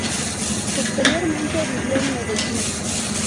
Posteriormente vivió en Medellín.